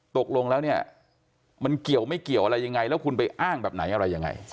ตกลงแล้วเนี่ยมันเกี่ยวไม่เกี่ยวอะไรยังไงแล้วคุณไปอ้างแบบไหนอะไรยังไง